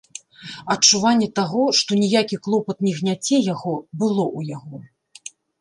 Адчуванне таго, што ніякі клопат не гняце яго, было ў яго.